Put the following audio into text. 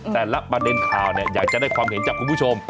แต่ลักมาเดินข่าวอยากจะได้ความเห็นคุณผู้ชม